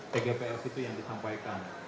pgpl itu yang disampaikan